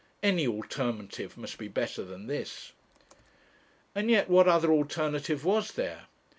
Any alternative must be better than this. And yet what other alternative was there?